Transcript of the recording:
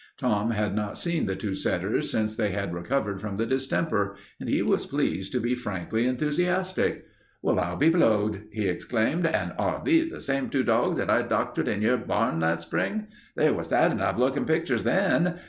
Tom had not seen the two setters since they had recovered from the distemper, and he was pleased to be frankly enthusiastic. "Well, I'll be blowed!" he exclaimed. "And are these the same two dogs that I doctored in your barn last spring? They were sad enough looking pictures then.